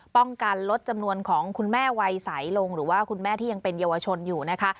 ป้องกันลดจำนวนของคุณแม่วัยสายลงหรือว่าคุณแม่ที่ยังเป็นเยาวชนอยู่นะคะ